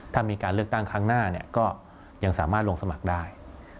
ถ้ามีการเลือกตั้งครั้งหน้าก็ยังสามารถลงสมัครได้